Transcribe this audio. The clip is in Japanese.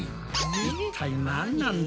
一体なんなんだ？